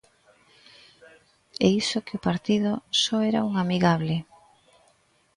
E iso que o partido só era un amigable.